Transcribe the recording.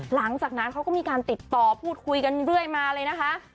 หลังจากนั้นเขาก็มีการติดต่อพูดคุยกันเรื่อยมาเลยนะคะ